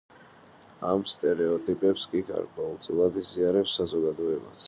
ამ სტერეოტიპებს კი გარკვეულწილად იზიარებს საზოგადოებაც.